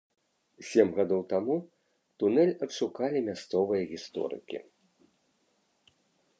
Сем гадоў таму тунэль адшукалі мясцовыя гісторыкі.